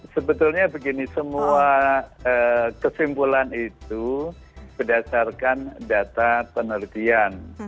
sebetulnya begini semua kesimpulan itu berdasarkan data penelitian